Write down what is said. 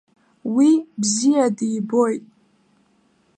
Уи бзиа дибоит.